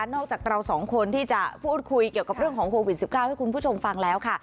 จากเราสองคนที่จะพูดคุยเกี่ยวกับเรื่องของโควิด๑๙ให้คุณผู้ชมฟังแล้วค่ะ